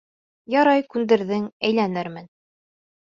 Ярай, күндерҙең, әйләнермен.